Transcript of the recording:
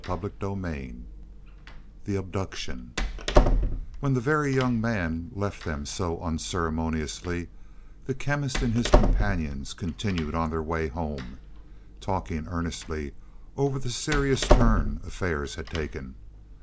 CHAPTER XXVI THE ABDUCTION When the Very Young Man left them so unceremoniously the Chemist and his companions continued on their way home, talking earnestly over the serious turn affairs had taken.